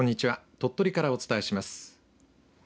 鳥取からお伝えします。